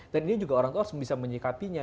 dan ini juga orang tua harus bisa menyikapinya